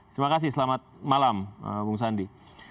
terima kasih selamat malam bung sandi